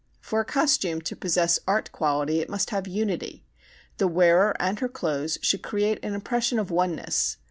For a costume to possess art quality it must have unity; the wearer and her clothes should create an impression of "oneness."